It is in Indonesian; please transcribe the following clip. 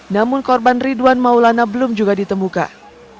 namun korban ridwan maulana belum juga ditemukan